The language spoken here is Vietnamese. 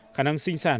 khả năng sinh sản